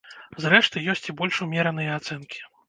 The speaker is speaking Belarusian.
Зрэшты, ёсць і больш умераныя ацэнкі.